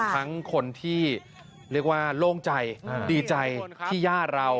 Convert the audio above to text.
ทั้งคนที่เรียกว่าโล่งใจดีใจที่ย่าเรา